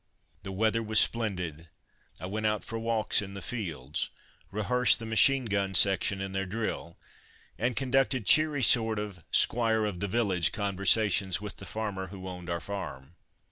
The weather was splendid. I went out for walks in the fields, rehearsed the machine gun section in their drill, and conducted cheery sort of "Squire of the village" conversations with the farmer who owned our farm.